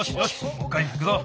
もっかいいくぞ。